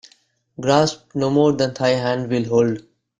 Grasp no more than thy hand will hold.